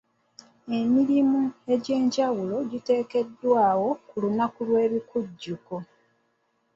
Emirimu egy'enjawulo giteekeddwawo ku lunaku lw'ebikujjuko.